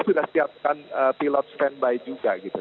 sudah siapkan pilot standby juga gitu